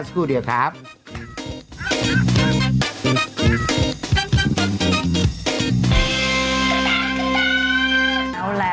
พี่ปั๊ดเดี๋ยวมาที่ร้องให้